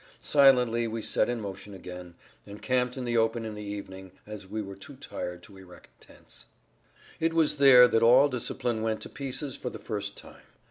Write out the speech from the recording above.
Silently we set in motion again, and camped in the open in the evening, as we were too tired to erect tents. It was there that all discipline went to pieces for the first time.